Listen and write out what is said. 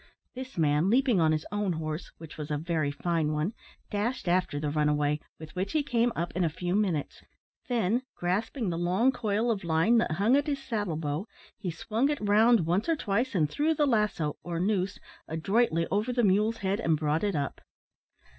This man, leaping on his own horse, which was a very fine one, dashed after the runaway, with which he came up in a few minutes; then grasping the long coil of line that hung at his saddle bow, he swung it round once or twice, and threw the lasso, or noose, adroitly over the mule's head, and brought it up.